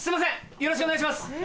よろしくお願いします。